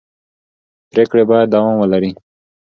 پرېکړې باید دوام ولري